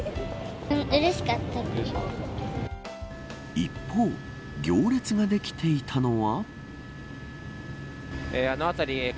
一方、行列ができていたのは。